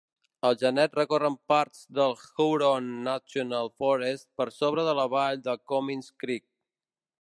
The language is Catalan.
Els genets recorren parts del Huron National Forest per sobre de la vall de Comins Creek.